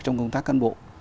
trong công tác căn bộ